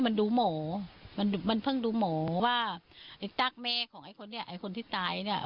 มันดูหมอมันมันเพิ่งดูหมอว่าไอ้ตั๊กแม่ของไอ้คนเนี่ยไอ้คนที่ตายเนี่ย